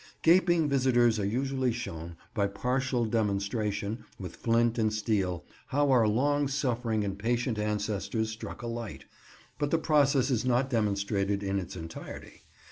Gaping visitors are usually shown, by partial demonstration, with flint and steel, how our long suffering and patient ancestors struck a light, but the process is not demonstrated in its entirety.